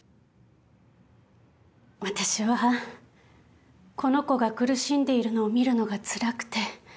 私はこの子が苦しんでいるのを見るのがつらくて。